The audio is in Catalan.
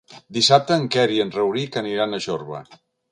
Dissabte en Quer i en Rauric aniran a Jorba.